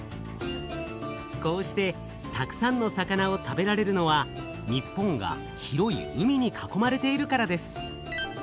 こうしてたくさんの魚を食べられるのは日本が広い海に囲まれているからです。